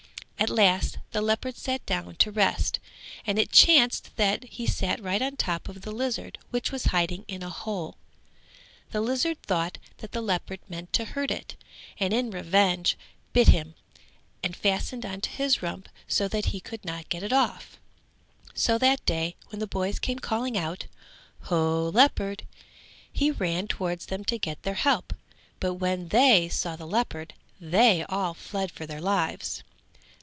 At last the leopard sat down to rest and it chanced that he sat right on top of the lizard which was hiding in a hole. The lizard thought that the leopard meant to hurt it and in revenge bit him and fastened on to his rump so that he could not get it off, so that day when the boys came calling out "Ho, leopard," he ran towards them to get their help: but when they saw the leopard they all fled for their lives.